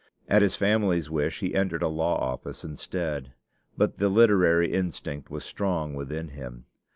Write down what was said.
At his family's wish he entered a law office instead; but the literary instinct was strong within him.